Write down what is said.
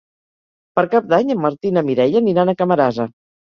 Per Cap d'Any en Martí i na Mireia aniran a Camarasa.